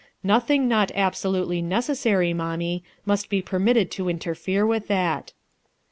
Nothing not absolutely necessary, mommie, must be per mitted to interfere with that."